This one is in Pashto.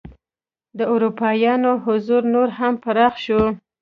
د اروپایانو حضور نور هم پراخ شو.